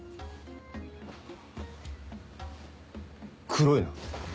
黒いな。